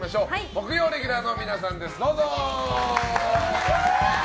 木曜レギュラーの皆さんです！